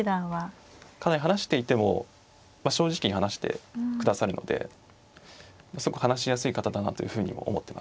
かなり話していても正直に話してくださるのですごく話しやすい方だなというふうに思ってます。